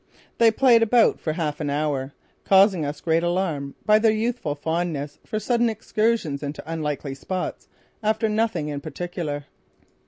They played about for half an hour, causing us great alarm by their youthful fondness for sudden excursions into unlikely spots, after nothing in particular.